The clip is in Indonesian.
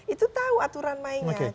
itu tahu aturan mainnya